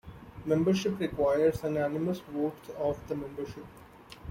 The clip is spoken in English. Membership requires unanimous votes of the membership.